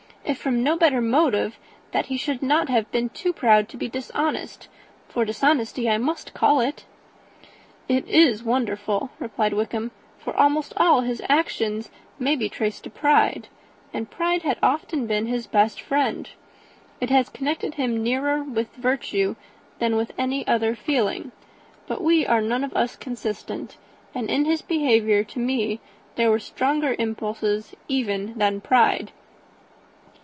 If from no better motive, that he should not have been too proud to be dishonest, for dishonesty I must call it." "It is wonderful," replied Wickham; "for almost all his actions may be traced to pride; and pride has often been his best friend. It has connected him nearer with virtue than any other feeling. But we are none of us consistent; and in his behaviour to me there were stronger impulses even than pride."